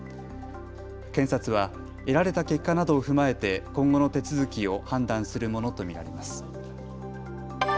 検察は得られた結果などを踏まえて今後の手続きを判断するものと見られます。